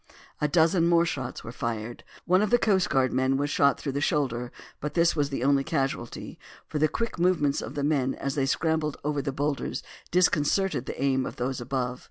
A dozen more shots were fired. One of the coast guard men was shot through the shoulder; but this was the only casualty, for the quick movements of the men as they scrambled over the boulders disconcerted the aim of those above.